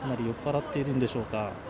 酔っぱらっているんでしょうか？